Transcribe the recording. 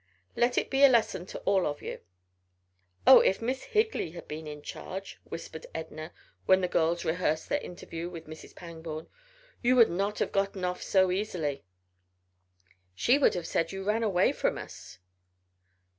Let it be a lesson to all of you." "Oh, if Miss Higley had been in charge," whispered Edna, when the girls rehearsed their interview with Mrs. Pangborn. "You would not have gotten off so easily. She would have said you ran away from us."